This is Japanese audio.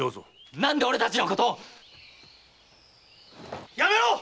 何で俺たちのことを⁉やめろっ！